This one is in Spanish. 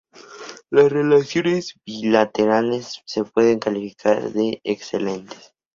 Las relaciones bilaterales se pueden calificar de excelentes.